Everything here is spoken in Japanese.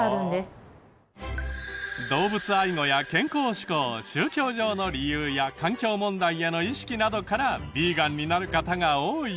動物愛護や健康志向宗教上の理由や環境問題への意識などからビーガンになる方が多いそう。